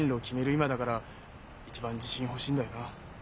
今だから一番自信欲しいんだよな。